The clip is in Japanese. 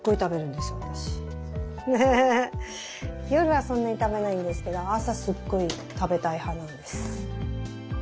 夜はそんなに食べないんですけど朝すごい食べたい派なんです。